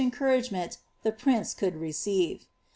encour> Bgemcni the prince could recrive.